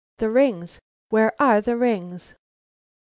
"THE RINGS! WHERE ARE THE RINGS?"